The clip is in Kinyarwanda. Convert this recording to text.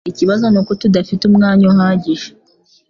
Ikibazo nuko tudafite umwanya uhagije.